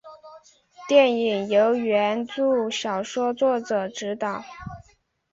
电影由原着小说作者执导。